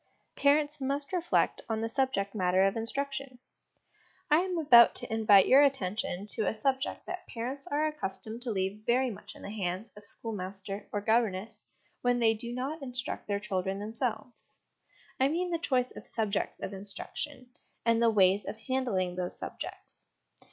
Parents must reflect on the Subject matter of Instruction. I am about to invite your attention to a subject that parents are accustomed to leave very much in the hands of schoolmaster or governess when they do not instruct their children themselves I .nean the choice of subjects of instruction, and the ways of handling those subjects.